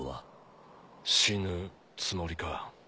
死ぬつもりか？